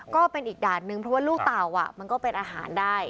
ก็เป็นอีกด่านนึงเพราะว่าลูกเต่ามันก็เป็นอาหารได้